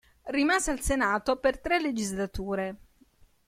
Rimase al Senato per tre legislature.